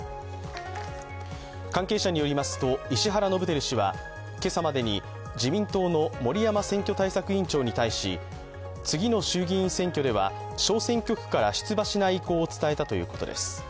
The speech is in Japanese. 関係者によりますと、石原伸晃氏は今朝までに自民党の森山選挙対策委員長に対し、次の衆議院選挙には小選挙区から出馬しない考えを伝えたということです。